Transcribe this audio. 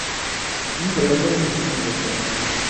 دوی به يو نوی سيستم جوړ کړي.